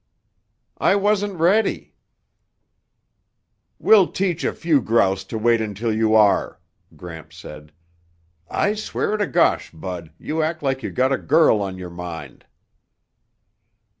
"I wasn't ready." "We'll teach a few grouse to wait until you are," Gramps said. "I swear to gosh, Bud, you act like you got a girl on your mind."